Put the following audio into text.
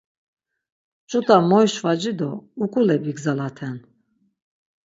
Ç̌ut̆a moyşvaci do uǩule bigzalaten.